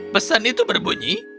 pesan itu berbunyi